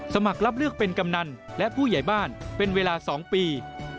สมัครรับเลือกเป็นกำนันและผู้ใหญ่บ้านเป็นเวลา๒ปี